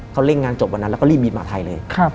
เขาเร่งงานจบวันนั้นแล้วก็รีบบินมาไทยเลย